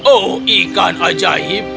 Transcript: oh ikan ajaib